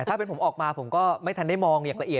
ถ้าเป็นผมออกมาผมก็ไม่ทันได้มองอย่างละเอียด